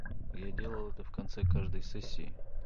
Я делал это в конце каждой сессии.